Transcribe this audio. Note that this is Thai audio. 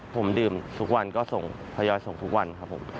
ผมดื่มทุกวันก็ส่งทยอยส่งทุกวันครับผม